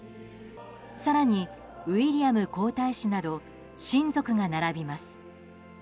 更にウィリアム皇太子など親族が並びます。